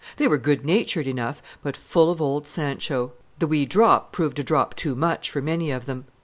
They were good natured enough, but full of old Sancho. The "Wee Drop" proved a drop too much for many of them.